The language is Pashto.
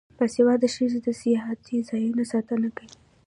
باسواده ښځې د سیاحتي ځایونو ساتنه کوي.